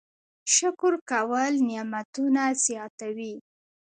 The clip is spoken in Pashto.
شکر کول نعمتونه زیاتوي